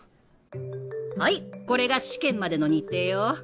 はいこれが試験までの日程よ。